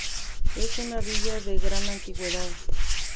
Es una villa de gran antigüedad.